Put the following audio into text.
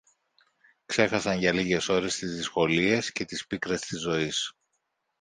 ξέχασαν για λίγες ώρες τις δυσκολίες και τις πίκρες της ζωής.